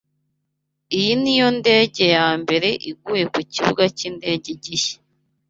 Iyi niyo ndege yambere iguye kukibuga cyindege gishya.